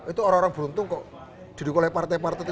itu orang orang beruntung kok didukung oleh partai partai itu